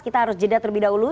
kita harus jeda terlebih dahulu